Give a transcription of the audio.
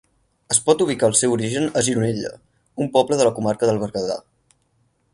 Es pot ubicar el seu origen a Gironella un poble de la comarca del Berguedà.